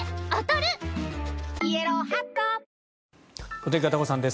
お天気、片岡さんです。